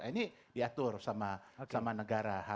ini diatur sama negara